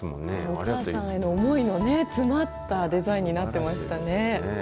お母さんへの思いの詰まったデザインになってましたね。